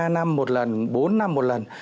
ba năm một lần bốn năm một lần